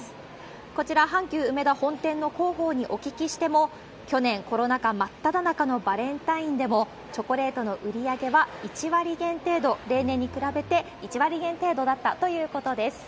こちら、阪急梅田本店の広報にお聞きしても、去年、コロナ禍真っただ中のバレンタインでも、チョコレートの売り上げは１割減程度、例年に比べて１割減程度だったということです。